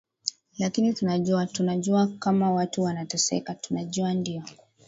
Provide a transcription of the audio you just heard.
lakini tunajua tunajua kama watu wanateseka tunajua ndio